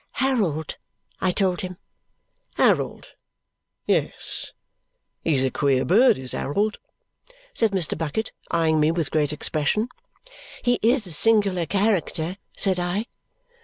"Harold," I told him. "Harold. Yes. He's a queer bird is Harold," said Mr. Bucket, eyeing me with great expression. "He is a singular character," said I.